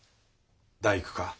大工か？